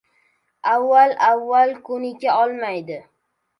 Avval-avval ko‘nika olmadi.